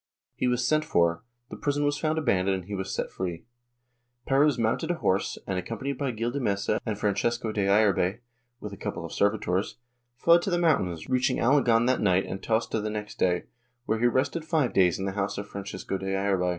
He was sent for; the prison was found abandoned and he was set free. Perez mounted a horse and, accompanied by Gil de Mesa and Francisco de Ayerbe, with a couple of servitors, fled to the moun tains, reaching Alagon that night and Tauste the next day, where he rested five days in the house of Francisco de Ayerbe.